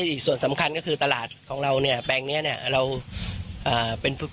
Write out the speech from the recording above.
อีกส่วนสำคัญก็คือตลาดของเราเนี่ยแปลงนี้เนี่ยเราเป็น